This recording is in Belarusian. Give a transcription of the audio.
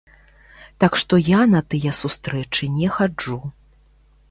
Так што я на тыя сустрэчы не хаджу.